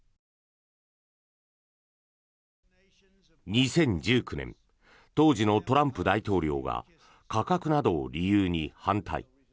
２０１９年当時のトランプ大統領が価格などを理由に反対。